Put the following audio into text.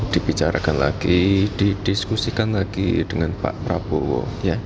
dibicarakan lagi didiskusikan lagi dengan pak prabowo